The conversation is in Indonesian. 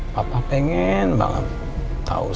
papa pengen banget tau